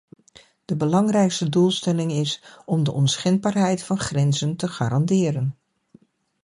De belangrijkste doelstelling is om de onschendbaarheid van grenzen te garanderen.